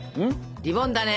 リボンだね。